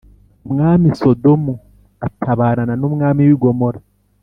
Umwami Sodomu atabarana n ‘umwami w i Gomora.